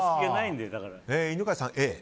犬飼さん、Ａ。